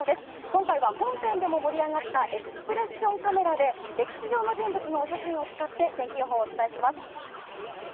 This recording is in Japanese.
今回は、本編でも盛り上がったエクスプレッションカメラで歴史上の人物のお写真を使って天気予報をお伝えします。